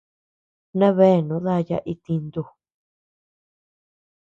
Nabeanu dayaa itintu.